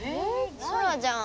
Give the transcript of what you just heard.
空じゃん。